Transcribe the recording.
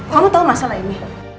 kamu tahu masalah ini